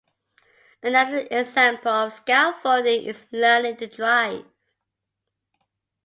Another example of scaffolding is learning to drive.